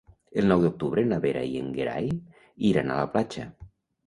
El nou d'octubre na Vera i en Gerai iran a la platja.